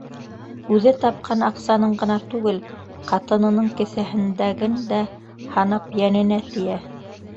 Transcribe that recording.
Үҙе тапҡан аҡсаның ғына түгел, ҡатынының кеҫәһендәген дә һанап, йәненә тейә.